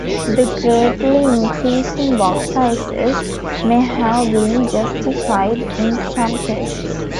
The greatly increasing box sizes may have been justified in some cases.